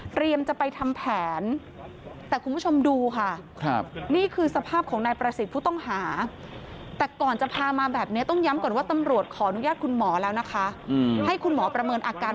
เตรียมจะไปทำแผนแต่คุณผู้ชมดูค่ะ